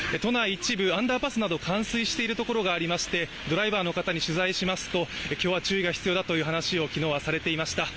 一部、アンダーパスなど冠水しているところがありまして、ドライバーの方に取材しますと今日は注意が必要だという話を昨日はされていました。